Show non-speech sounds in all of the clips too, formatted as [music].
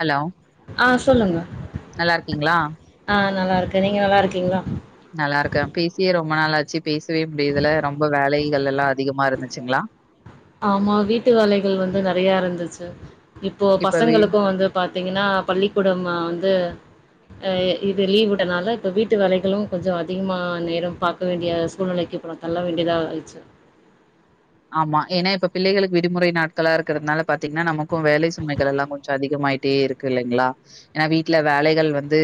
Hello ஆ சொல்லுங்க நல்லா இருக்கீங்களா? ஆ நா நல்லா இருக்க நீங்க நல்லா இருக்கீங்ளா நல்லா இருக்கே பேசியே ரொம்ப நாளாச்சி பேசவே முடியர்தில்ல ரொம்ப வேலைகள் எல்லா அதிகமா இருந்துச்சிங்ளா ஆமா வீட்டு வேலைகள் வந்து நெறையா இருந்துச்சி இப்போ இப்ப வி பசங்களுக்கு வந்து பாத்தீங்கன்னா பள்ளிக்கூடம்மா வந்து ஆ இது லீவ் விட்டனால இப்ப வீட்டு வேலைகளு கொஞ்ச அதிகமா நேரம் பாக்க வேண்டிய சூழ்நிலைக்கு இப்பெல்லாம் தள்ள வேண்டியதா ஆயிட்சி ஆமா ஏன்னா இப்ப பிள்ளைகளுக்கு விடுமுறை நாட்களா இருக்கறதுனால பாத்தீங்கன்னா நமக்கு வேலை சுமைகள் எல்லா கொஞ்சோ அதிகமாயிட்டே இருக்கு க்கு இல்லைங்ளா ஏன்னா வீட்ல வேலைகள் வந்து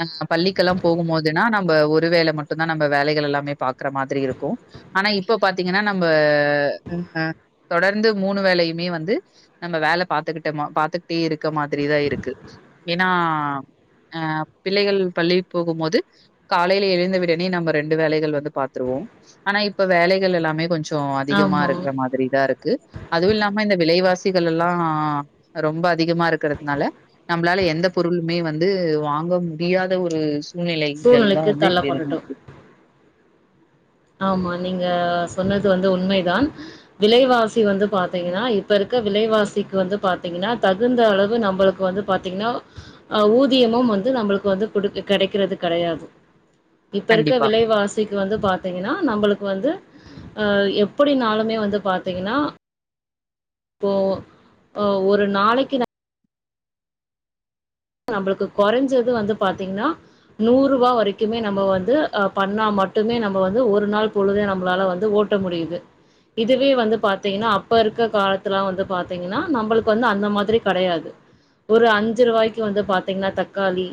அ பள்ளிக்கெல்லா போகும் போதுன்னா நம்ப ஒரு வேளை மட்டுந்தா நம்ப வேலைகள் எல்லாமே பாக்குற மாதிரி இருக்கு ஆனா இப்ப பார்த்தீங்கன்னா நம்ப தொடர்ந்து மூணு வேலையுமே வந்து நம்ம வேலை பாத்துக்கிட்ட பாத்துக்கிட்டே இருக்க மாதிரிதா இருக்கு ஏன்னா பிள்ளைகள் பள்ளி போகு போது காலையில எழுந்த விடனே நம்ம ரெண்டு வேலைகள் வந்து பாத்திருவோ ஆனா இப்ப வேலைகள் எல்லாமே கொஞ்சோ ம் அதிகமா ஆமா. இருக்கிற மாதிரி தா இருக் க்கு அதுவு இல்லாம இந்த விலைவாசிகள் எல்லா ரொம்ப அதிகமா இருக்கிறதுனால நம்மளால எந்த பொருளுமே வந்து வாங்க முடியாத ஒரு சூழ்நிலைகள் தா சூழ்நிலைக்கு வந்து பெரு தள்ளப்பட்டுட்டோம். ஆமா நீங்க சொன்னது வந்து உண்மைதா விலைவாசி வந்து பாத்தீங்கன்னா இப்ப இருக்க விலைவாசிக்கு வந்து பாத்தீங்கன்னா தகுந்த அளவு நம்மளுக்கு வந்து பாராத்தீங்கன்னா அ ஊதியமும் வந்து நம்மளுக்கு வந்து குடு கிடைக்கிறது கிடையாது இப்ப இருக்க கண்டிப்பா, விலைவாசிக்கு வந்து பார் பாத்தீங்கன்னா நம்மளுக்கு வந்து எப்டினாலுமே வந்து பாத்தீங்கன்னா இப்போ ஒரு நாளைக்கு நா நம்மளுக்கு குறைஞ்சது வந்து பாத்தீங்கன்னா நூறு ரூபா வரைக்குமே நம்ம வந்து ஆ பண்ணா மட்டுமே நம்ம வந்து ஒரு நாள் பொழுதே நம்மளால வந்து ஓட் ட முடியுது இதுவே வந்து பாத்தீங்கன்னா அப்ப இருக்க காலத்துலா வந்து பாத்தீங்கன்னா நம்மளுக்கு வந்து அந்த மாறி கிடையாது ஒரு அஞ்சு ரூபாய்க்கு வந்து பாத்தீங்கன்னா தக்காளி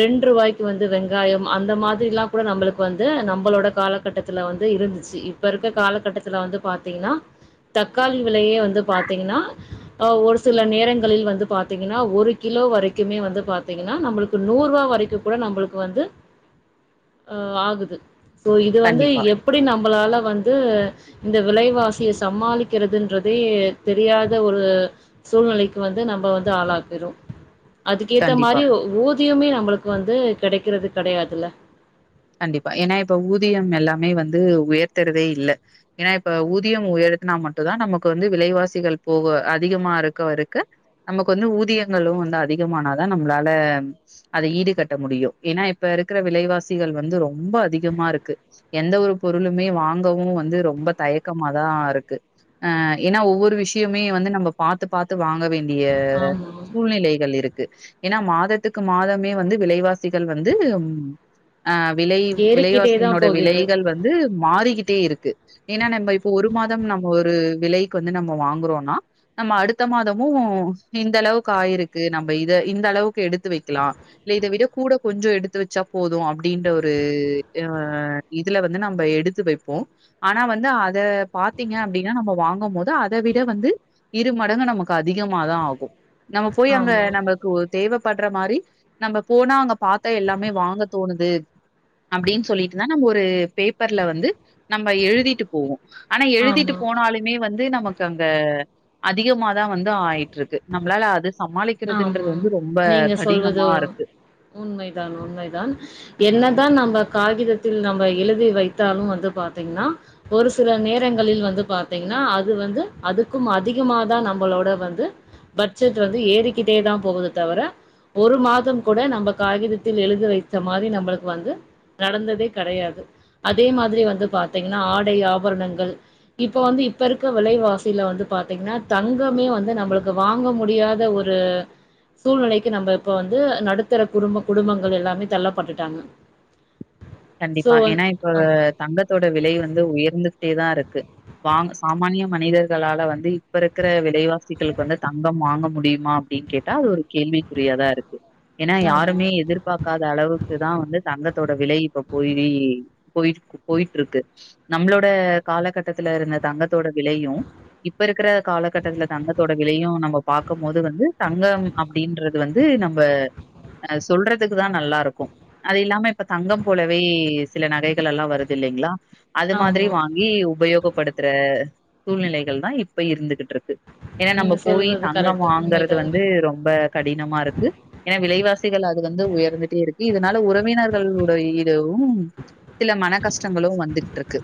ரெண்டு ரூபாய்க்கு வந்து வெங்காயம் அந்த மாதிரில்லா கூட நம்மளுக்கு வந்து நம்மளோட காலகட்டத் துல வந்து இருந்துச்சு இப்ப இருக்க காலகட்டத்துல வந்து பாத்தீங்கன்னா தக்காளி விலையே வந்து பாத்தீங்கன்னா ஒரு சில நேரங்களில் வந்து பாத்தீங்கன்னா ஒரு கிலோ வரைக் குமே வந்து பாத்தீங்கன்னா நம்மளுக்கு நூறுபா வரைக்கு கூட நம்மளுக்கு வந்து ஆ ஆகுது சோ இத வந்து கண்டிப்பா, எப்டி நம்மளால வந்து இந்த விலைவாசியை சமாளிக்கிறதுன்றதே தெரியாத ஒரு சூழ்நிலைக்கு வந்து நம்ம வந்து ஆளாக்கிறும் அதுக்கேத்த கண்டிப்பா. மாறி ஊதியமே நம்மளுக்கு வந்து கிடைக்கிறது கிடையாதுல கண்டிப்பா ஏன்னா இப்ப ஊதியம் எல்லாமே வந்து உயர்த்தறதே இல்ல ஏன்னா இப்ப ஊதியம் உயர்த்துனா மட்டுதா நமக்கு வந்து விலைவாசிகள் போக அதிகமா இருக்கவ இருக்கு நமக்கு வந்து ஊதியங்களும் வந்து அதிகமானாதா நம்மளால அதை ஈடு கட்ட முடியும் ஏன்னா இப்ப இருக்கிற விலைவாசிகள் வந்து ரொம்ப அதிகமா இருக்கு எந்த ஒரு பொருளுமே வாங்கவும் வந்து ரொம்ப தயக்கமாதா இருக்கு ஆ ஏன்னா ஒவ்வொரு விஷயமே வந்து நம்ம பாத்து பாத்து வாங்க வேண்டு டிய ஆமா சூழ்நிலைகள் இருக்கு ஏன்னா மாதத்துக்கு மாதமே வந்து விலைவாசிகள் வந்து ஆ விலை ஏறிக்கிட்டே தா விலைவாசியினோட போகுது விலைகள் வந்து மாறிக்கிட்டே இருக்கு ஏன்னா நம்ம இப்ப ஒரு மாதம் நம்ம ஒரு விலைக்கு வந்து நம்ம வாங்குறோனா நம்ம அடுத்த மாதமும் இந்த அளவுக்கு ஆயிருக்கு நம்ம இத இந்த அளவுக்கு எடுத்து வைக்கலா இல்ல இத விட கூட கொஞ்சோ எடுத்து வச்சா போதும் அப்டின்ற ஒரு ஆ இதுல வந்து நம்ம எடுத்து வைப்போ ஆனா வந்து அத பாத்தீங்க அப்டின்னா நம்ம வாங்கும் போது அத விட வந்து இரு மடங்கு நமக்கு அதிகமாதா ஆகு நம்ம போய் அங்க ஆமா நமக்கு தேவைப்படுற மாறி நம்ம போனா அங்க பாத்தா எல்லாமே வாங்க அது அப்டின்னு சொல்லிட்டுதா நம்ம ஒரு பேப்பர்ல வந்து நம்ம எழுதிட்டு போவோ ஆனா எழுதிட்டு ஆமா போனாலு மே வந்து நமக்கு அங்க அதிகமாதா வந்து ஆயிட்டு இருக்கு நம்மளால அது சமாளிக் கிறதுன்றது ஆமா வந்து ரொம்ப நீங்க சொல்வது கடினமா இருக்கு உண்மைதான் உண்மைதான் என்னதா நம்ம காகிதத்தில் நம்ம எழுதி வைத்தாலும் வந்து பாத்தீங்கனா ஒரு சில நேரங்களில் வந்து பாத்தீங்னா அது வந்து அதுக்கும் அதிகமாதான் நம்மளோட வந்து பட்ஜெட் வந்து ஏறிக்கிட்டே தா போவுது தவிர ஒரு மாதம் கூட நம்ம காகிதத்தில் எழுத வைச்ச மாரி நம்மளுக்கு வந்து நடந்ததே கடையாது, அதே மாதிரி வந்து பாத்தீங்கன்னா ஆடை ஆபரணங்கள் இப்ப வந்து இப்ப இருக்க விலைவாசில வந்து பாத்தீங்கன்னா தங்கமே வந்து நம்மளுக்கு வாங்க முடியாத ஒ ரு சூழ்நிலைக்கு நம்ம இப்ப வந்து நடுத்தர குடும்ப குடும்பங்கள் எல்லாமே தள்ளப்பட்டுட்டாங்க சோ கண்டிப்பா ஏன்னா இப்ப ஆ தங்கத்தோட விலை வந்து உயர்ந்துகிட்டே தா இருக்கு வாங்க சாமானிய மனிதர்களால வந்து இப்ப இருக்கிற விலைவாசிகளுக்கு வந்து தங்கம் வாங்க முடியுமா அப்டின்னு கேட் டா அது ஒரு கேள்விக்குறியாதா இருக்கு ஏன்னா ஆமா யாருமே எதிர்பாக்காத அளவுக்கு தா வந்து தங்கத்தோட விலை இப்ப போய் போய் போயிட்டு இருக்கு நம்மளோட காலகட்டத்துல இருந்த தங்கத்தோட விலையு இப்ப இருக்கிற காலகட்டத்துல தங்கத்தோட விலையும் நம்ம பாக்கும் போது வந்து தங்கம் அப்டின்றது வந்து நம்ப சொல்றதுக்கு தா நல்லா இருக்கு அது இல்லாம இப்ப தங்கம் போலவே சில நகைகள் எல்லாம் வருது இல்லைங்களா அது மாரி ஆமா வாங்கி உபயோகப்படுத் த்துற சூழ்நிலைகள் தா இப்ப இருந்துகிட்டு இருக்கு ஏனா நம்ம நீங்க போய் சொல்றது தங்கம் கரெக்ட் வாங்கறது உண்மைதான் வந்து ரொம்ப கடினமா இருக்கு ஏன்னா விலைவாசிகள் அது வந்து உயர்ந்துட்டே இருக்கு இதனால உறவினர்களுடைய இதுவும் சில மன கஷ்டங்களு வந்துகிட்டு இருக்கு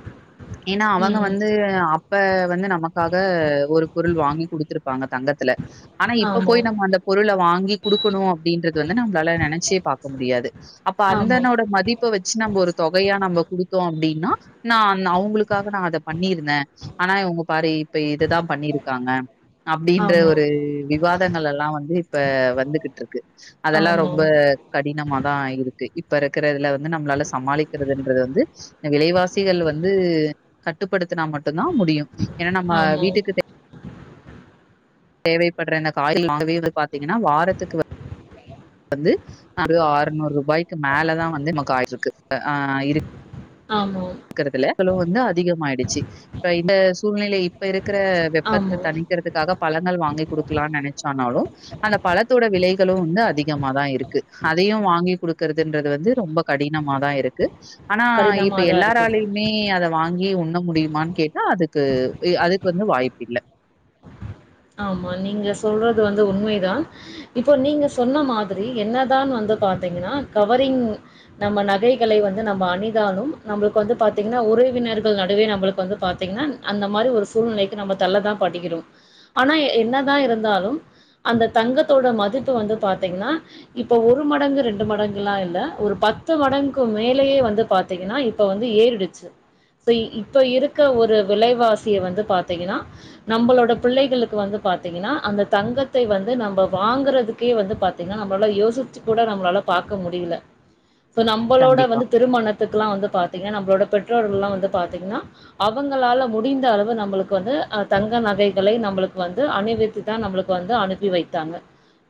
ஏன்னா அவங்க ம் வந்து அப் ப வந்து நமக்காக ஒரு பொருள் வாங்கி குடுத்துருப்பாங்க தங்கத்துல ஆனா இப்ப ஆமா போய் நம்ம அந்த பொருள வாங்கி குடுக்கணு அப்டின்றது வந்து நம்மளால நெனைச்சே பாக்க முடியாது அப்ப ஆமா அந்தனோட மதி ப்ப வச்சு நம்ம ஒரு தொகையா நம்ம குடுத்தோ அப்டின்னா நான் அவங்களுக்காக நா அத பண்ணிருந்தே ஆனா இவங்க பாரு இப்ப இதுதா பண்ணிருக்காங்க அப்படின்ற ஆமா ஒரு விவாதங்கள் எல்லா வந்து இப்ப வந்துகிட்டு இருக்கு அதெல்லா ஆமா ரொம்ப கடினம தா இருக்கு இப்ப இருக்கற இதுல வந்து நம்மளால சமாளிக்கிறதுன்றது வந்து விலைவாசிகள் வந்து கட்டுப்படுத்தினா மட்டும்தா முடியு ஏன்னா நம்ம ஆமா வீட்டுக்கு தே தேவைப்படுற இந்த காய்கள் வாங்கவே வந்து பாத்தீங்கனா வாரத்துக்கு வந்து அது ஆற்நூறு ரூபாய்க்கு மேலதா வந்து நமக்காயிட்டு இருக்கு ஆ இருக் ஆமா கிறதுல இவ்ளோ வந்து அதிகமாயிடுச்சு இப்ப இந்த சூழ்நிலை இப்ப இருக்கிற வெப்பத்த ஆமா தணிக்கிறதுக்காக பழங்கள் வாங்கி குடுக்கலானு நெனைச்சனாலு அந்த பழத்தோட விலைகளு வந்து அதிகமாதா இருக்கு அதையு வாங்கி குடுக்குறதுன்றது வந்து ரொம்ப கடினமாதா இருக்கு ஆனா இப்ப கடினமா தான் எல்லா இருக்குது மே அத வாங்கி உண்ண முடியுமான்னு கேட்டா அதுக்கு அதுக்கு வந்து வாய்ப்பு இல்ல ஆமா நீங்க சொல்றது வந்து உண்மைதா இப்போ நீங்க சொன்ன மாதிரி என்னதான் வந்து பாத்தீங்கன்னா கவரிங் நம்ம நகைகளை வந்து நம்ம அணிதாலு நம்மளுக்கு வந்து பாத்தீங்னா உறவினர்கள் நடுவே நம்மளுக்கு வந்து பாத்தீங்னா அந்த மாரி ஒரு சூழ்நிலைக்கு நம்ம தள்ளதான் படுக்கிறோ ஆனா என்னதா இருந்தாலும் அந்த தங்கத்தோட மதிப்பு வந்து பாத்தீங்ன்னா இப்ப ஒரு மடங்கு ரெண்டு மடங்குல்லா இல்ல ஒரு பத்து மடங்கு மேலேயே வந்து பாத் திங்கன்னா இப்போ வந்து ஏறிடுச்சு இப்ப இருக்க ஒரு விலைவாசிய வந்து பாத்தீங்கன்னா நம்பளோட பிள்ளைகளு கு வந்து பாத்தீங்கன்னா அந்த தங்கத்தை வந்து நம்ப வாங்குறதுக்கே வந்து பாத்தீங்னா நம்பல யோசி சி கூட நம்மளால பாக்க முடிய்ல [inaudible] சோ நம்பளோட கண்டிப்பா வந்து திருமணத்துக்குலா வந்து பாத்தீங்க நம்பளோட பெற்றோர்கள்ல்லா வந்து பாத்தீங்ன்னா அவங்களால முடிந்த அளவு நம்மளுக்கு வந்து அ தங்க நகைகளை நம்மளுக் வந்து அணிவித்து தா நம்மளுக் வந்து அனுப்பி வைத்தாங்க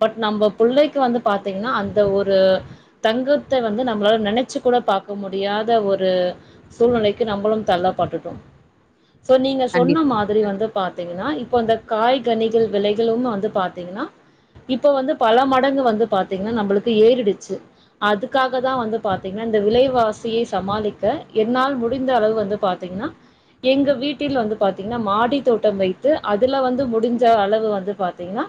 பட் நம்ப புள்ளைக்கு வந்து பாத்தீங்ன்னா அந்த ஒரு தங்கத்த வந்து நம்ளால நெனச்சு கூட பாக்க முடியாத ஒரு சூழ்நிலைக்கு நம்பளும் தள்ளப்பட்டுட்டோ சோ நீங்க சொன்ன கண்டிப்பா மாதிரி வந்து பாத்தீங்கன்னா இப்ப இந்த காய்கனிகள் விலைகளும் வந்து பாத்தீங்கன்னா இப்ப வந்து பல மடங்கு வந்து பாத்தீங்ன்னா நம்பளுக்கு ஏறிடுச்சு அதுக்காக தா வந்து பாத்தீங்ன்னா இந்த விலைவாசியை சமாளிக்க என்னால் முடிந்த அளவு வந்து பாத் திங்ன்னா எங்க வீட்டில் வந்து பாத்தீங்ன்னா மாடி தோட்டம் வைத்து அ துல வந்து முடிஞ்ச அளவு வந்து பாத்தீங்ன்னா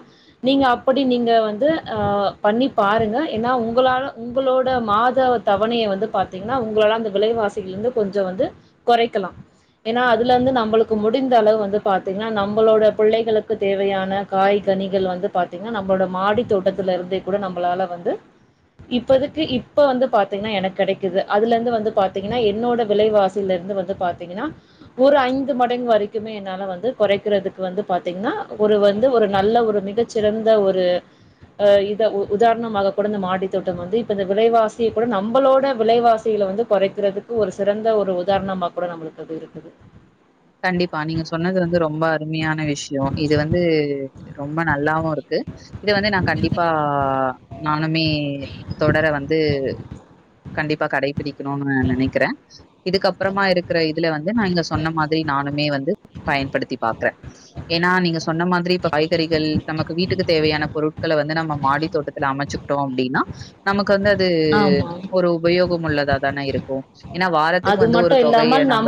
நீங்க அப்படி நீங்க வந்து ஆ பண்ணி பாருங்க ஏன்னா உங்களால உங்களோட மாத தவணைய வந்து பாத்தீங்ன்னா உங்களாலா அந்த விலைவாசிகள்ளந்து கொஞ்சோ வந்து கொறைக்கலா ஏன்னா அதுல இந்து நம்பளுக்கு முடிந்த அளவு வந்து பாத்தீங்ன்னா நம்பளோட புள்ளைகளுக்கு தேவையான காய்கனிகள் வந்து பாத்தீங்ன்னா நம்போட மாடி தோட்டத்துல இருந்து கூட நம்பளால வந்து இப்பதுக்கு இப்ப வந்து பாத்தீங்ன்னா எனக் கெடைக்குது அதுல இந்து வந்து பாத்தீங்கன்னா என்னோட விலைவாசில்ல இந்து வந்து பாத்தீங்கன்னா ஒரு ஐந்து மடங்கு வரைக்குமே என்னால வந்து கொறைக்கிறதுக் கு வந்து பார்த்தீங்ன்னா ஒரு வந்து ஒரு நல்ல ஒரு மிகச்சிறந்த ஒரு அ இத உ உதாரணமாக கூட ந மாடி தோட்டம் வந்து இப்ப இந்த விலைவாசிய கூட நம்பளோட விலைவாசியில வந்து கொறைக்கிறதுக்கு ஒரு சிறந்த ஒரு உதாரணமா கூட நம்மளுக்கு அது இருக்குது கண்டிப்பா நீங்க சொன்னது வந்து ரொம்ப அருமையான விஷ்யோ இது வந்து ரொம்ப நல்லாவு இருக்கு இத வந்து நா கண்டிப்பா நானுமே தொடர வந்து கண்டிப்பா கடைபிடிக்ணுன்னு நெனைக்கிறே இதுக்கு அப்புறமா இருக்கிற இதுல வந்து நா இங்க சொன்ன மா திரி நானுமே வந்து பயன்படுத்தி பாக்கறே ஏன்னா நீங்க சொன்ன மாதிரி இப்ப காய்கறிகள் நமக்கு வீட்டுக்கு தேவையான பொருட்கள வந்து நம்ம மாடி தோட்டத் துல அமச்சுக்ட்டோ அப்டின்னா நமக்கு வந்து அது ஆமா. ஒரு உபயோகம் உள்ளதா தான இருக் கு ஏன்னா வாரத்துக் வந்து ஒரு தொகைய நம்ப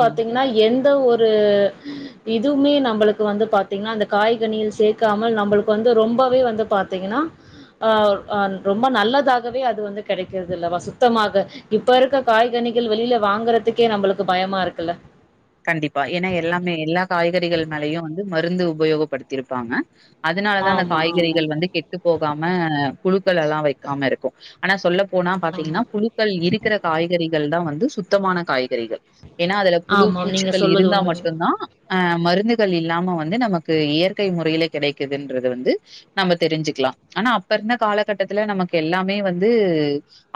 ம் னா எந்த ஒரு இதும்மே நம்பளுக்கு வந்து பாத்தீங்ன்னா அந்த காய்கனியில் சேர்க்காமல் நம்பளுக்கு வந்து ரொம்பவே வந்து பாத்தீங்கன்னா ஆ அன் ரொம்ப நல்லதாகவே அது வந்து கெடைக்கிறது இல்ல வ சுத்தமாக இப்ப இருக்க காய்கனிகள் வெளியில வாங்கறதுக்கே நம்பளுக்கு பயமா இருக்கு இல்ல கண்டிப்பா ஏன்னா எல்லாமே எல்லா காய்கறிகள் மேலயையு வந்து மருந்து உபயோகப்படுத்தி இருப்பாங்க அதனாலதா அந்த ஆமா காய்கறிகள் ஆமாம் வந்து கெட்டு போகாம புழுக்கள் எல்லா வைக்காம இருக்கு ஆனா சொல்ல போனா ஆமா பாத்தீங்கன்னா புழுக்கள் இருக்கிற காய்கறிகள் தா வந்து சுத்தமான காய்கறிகள் ஏன்னா அதுல புழு ஆமாம் நீங்க பூச்சிகள் சொல்வது இருந்தா உண்மை மட்டுந்தா அ மருந்துகள் இல்லாம வந்து நமக்கு இயற்கை முறையிலே கிடைக்குதுன்றது வந்து நம்ம தெரிஞ்சுக்லா ஆனா அப்ப இருந்த காலகட்டத்துல நமக்கு எல்லாமே வந்து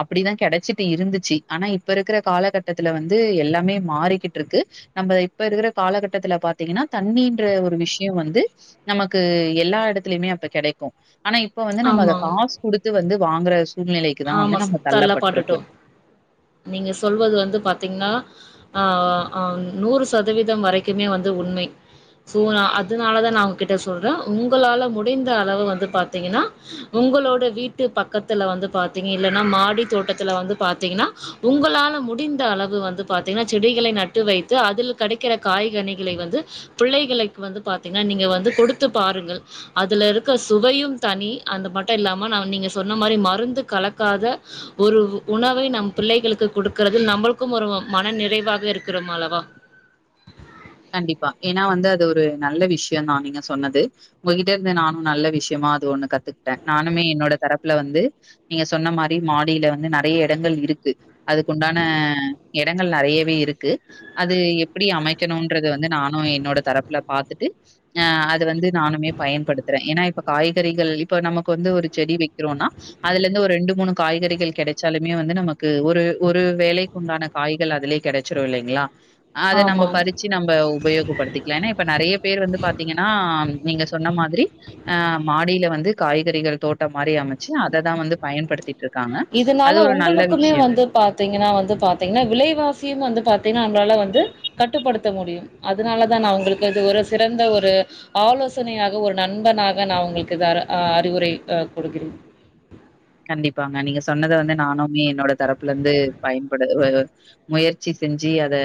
அப்டிதா கெடச்சிட்டு இருந்துச்சு ஆனா இப்ப இருக்கற காலகட்டத்துல வந்து எல்லாமே மாறிக்கிட்ருக்கு நம்ம இப்ப இருக்கற காலகட்டத்துல பாத்தீங்கன்னா தண்ணின்ற ஒரு விஷ்யோ வந்து நமக்கு எல்லா எடத்துலயுமே அப்ப கெடைக்கு ஆனா இப்ப வந்து நம்ம அத ஆமாம் காசு குடுத்து வந்து வாங்கற சூழ்நிலைக்குதா ஆமா வந்து நம்ம தள்ள தள்ளப்பட்ருக்கோ பட்டுட்டோ நீங்க சொல்வது வந்து பாத்தீங்ன்னா ஆ ஆ ஆ நூறு சதவீதம் வரைக்குமே வந்து உண்மை சோ அதுனாலதா நா உங்க கிட்ட சொல்ற உங்களால முடிந்த அளவு வந்து பாத்தீங்கன்னா உங்களோட வீட்டு பக்கத்துல வந்து பாத்தீங்க இல்லன்னா மாடி தோட்டத்துல வந்து பாத்தீங்கன்னா உங்களால முடிந்த அளவு வந்து பாத்தீங்கன்னா செடிகளை நட்டு வைத்து அதில் கெடைக்கற காய்கனிகளை வந்து பிள்ளைகளைக்கு வந்து பாத்தீங்கன்னா நீங்க வந்து கொடுத்து பாருங்கள் அதுல இருக்க சுவையும் தனி அந்த மட்டு இல்லாம நா நீங்க சொன்ன மாரி மருந்து கலக்காத ஒரு உணவை நம் பிள்ளைகளுக்கு கொடுக்கறது நம்மளுக்கும் ஒரு மன நிறைவாக இருக்கிறோம் அல்லவா கண்டிப்பா ஏன்னா வந்து அது ஒரு நல்ல விஷ்யந்தா நீங்க சொன்னது உங்ககிட்ட இருந்து நானு நல்ல விஷயமா அது ஒண்ணு கத்துக்கிட்ட நானுமே என்னோட தரப்புல வந்து நீங்க சொன்ன மாரி மாடில வந்து நெறைய இடங்கள் இருக் கு அதுக்கு உண்டான இடங்கள் நெறையவே இருக்கு அது எப்டி அமைக் கணுன்றது வந்து நானு என்னோட தரப்புல பாத்துட்டு ஆ அத வந்து நானுமே பயன்படுத்துறே ஏன்னா இப்ப காய்கறிகள் இப்ப நமக்கு வந்து ஒரு செடி வைக்றோன்னா அதுல இருந்து ஒரு ரெண்டு மூணு காய்கறிகள் கெடச்சாலுமே வந்து நமக்கு ஒரு ஒரு வேலை குன்டான காய்கள் அதுலயே கெடச்சுரு இல்லீங்களா அது நம்ம ஆமாம் ச்சு நம்ப உபயோகப்படுத்திக்லா ஏன்னா இப்ப நெறைய பேர் வந்து பாத்தீங்கன்னா நீங்க சொன்ன மாதிரி ஆ மாடியில வந்து காய்கறிகள் தோட்டம் மாரி அமச்சு அததா வந்து பயன்படுத்தி இருக்காங்க இதனால அது ஒரு நல்ல உங்களுக்குமே விஷ்யம் வந்து பாத்தீங்கன்னா வந்து பாத்தீங்கன்னா விலைவாசியும் வந்து பாத்தீங்கன்னா நம்ளால வந்து கட்டுப்படுத்தமுடியும் அதனாலதா நா உங்களுக்கு அது ஒரு சிறந்த ஒரு ஆலோசனையாக ஒரு நண்பனாக நா உங்களுக்கு இது அற அ அறிவுரை அ குடுக்கிறேன் கண்டிப்பாங்க நீங்க சொன்னத வந்து நானுமே என்னோட தரப்புல இருந்து பயன்படு உ முயற்சி செஞ்சு அத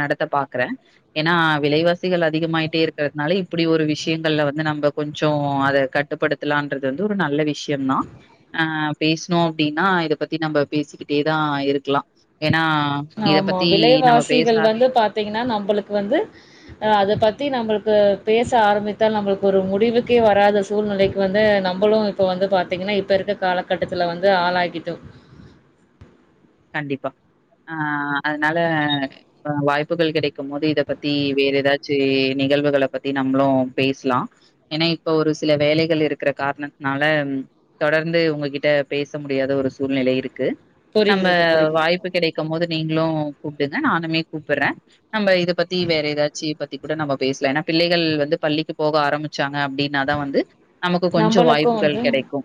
நடத்த பாக்கற ஏன்னா விலைவாசிகள் அதிகமாயிட்டே இருக்கறதுனால இப்புடி ஒரு விஷயங்கள்ல வந்து நம்ம கொஞ்சோ அத கட்டுப்படுத் த்தாலான்றது வந்து ஒரு நல்ல விஷ்யந்தா ஆ பேசுனோ அப்டின்னா இத பத்தி நம்ப பேசிக்கிட்டேதா இருக்லா ஏன்னா இத ஆம்மா பத்தி நம்ம பேச விலைவாசிகள் வந்து பாத்தீங்கன்னா நம்பலுக்கு வந்து அ அத பத்தி நம்மளுக்கு பேச ஆரம்பித்தால் நம்மளுக்கு ஒரு முடிவுக்கே வராது சூழ்நிலைக்கு வந்து நம்பலு இப்ப வந்து பாத்தீங்கன்னா இப்ப இருக்க காலகட்டத்துல வந்து ஆளாகிட்டு கண்டிப்பா ஆ அதனால வாய்ப்புகள் கிடைக்கும் போது இத பத்தி வேற ஏதாச்சு நிகழ்வுகள பத்தி நம்ளு பேசலா ஏன்னா இப்ப ஒரு சில வேலைகள் இருக்கற காரணத்தனால தொடர்ந்து உங்ககிட்ட பேச முடியாத ஒரு சூழ்நிலை இருக்கு நம்ம புரிகிறது புரிகிறது வாய்ப்பு கிடைக்கும் போது நீங்ளு கூப்டுங்க நானுமே கூப்பட்றே நம்ம இத பத்தி வேற ஏதாச்சு பத்தி கூட நம்ப பேசலா ஏன்னா பிள்ளைகள் வந்து பள்ளிக்கு போக ஆரம்பிச் ச்சாங்க அப்டின்னாதா வந்து நமக்கு கொஞ்சோ நம்பளுக்கு வாய்ப்புகள் வந்து கெடைக்கு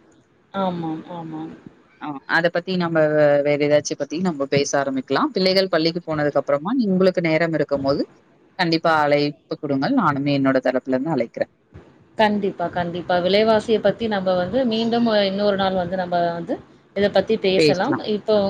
ஆமாம் ஆமாம் ஆ அத பத்தி நம்ம வே வேற ஏதாச்சு பத்தி நம்ம பேச ஆரம்பிக்கலா பிள்ளைகள் பள்ளிக்கு போனதுக் அப்றமா நீங்க உங்களுக்கு நேரம் இருக்கும் போது கண்டிப்பா அழைப்பு கொடுங்கள் நானுே என்னோட தரப்புல இருந்து அழைக்கற கண்டிப்பா கண்டிப்பா விலைவாசிய பத்தி நம்ம வந்து மீண்டு இன்னொர் நாள் வந்து நம்ம வந்து இத பத்தி பேசலா இப்ப